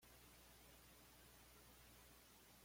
La lápida reza